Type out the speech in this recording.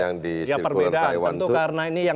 ya perbedaan tentu karena ini yang